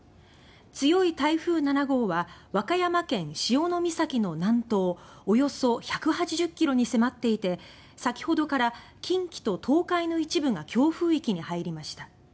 強い台風７号は和歌山県潮岬の南東およそ２００ｋｍに迫っていて先ほどから近畿と東海の一部が強風域に入りました。